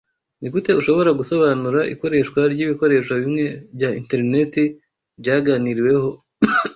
Nigute ushobora gusobanura ikoreshwa ryibikoresho bimwe bya interineti byaganiriweho